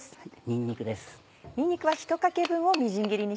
にんにくです。